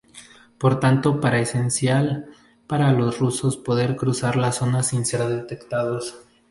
Por tanto era esencial para los rusos poder cruzar la zona sin ser detectados.